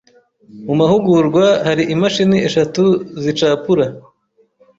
Mu mahugurwa hari imashini eshatu zicapura.